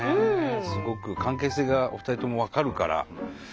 すごく関係性がお二人とも分かるから。